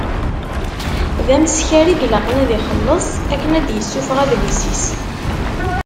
D ameskar i ilaqen ad ixelleṣ akken ad d-yessufeɣ adlis-is.